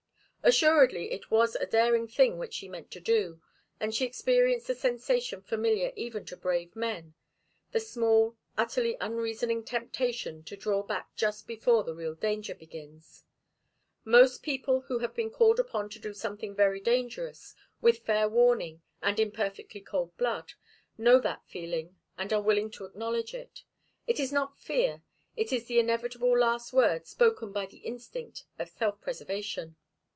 Assuredly it was a daring thing which she meant to do, and she experienced the sensation familiar even to brave men the small, utterly unreasoning temptation to draw back just before the real danger begins. Most people who have been called upon to do something very dangerous, with fair warning and in perfectly cold blood, know that little feeling and are willing to acknowledge it. It is not fear. It is the inevitable last word spoken by the instinct of self preservation.